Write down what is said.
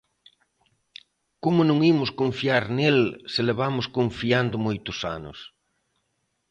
Como non imos confiar nel se levamos confiando moitos anos?